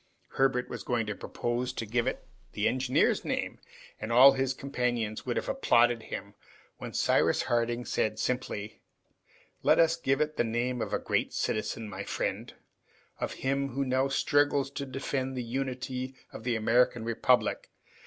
Herbert was going to propose to give it the engineer's name and all his companions would have applauded him, when Cyrus Harding said simply, "Let us give it the name of a great citizen, my friend; of him who now struggles to defend the unity of the American Republic!